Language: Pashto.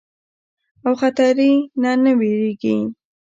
او خطري نه نۀ ويريږي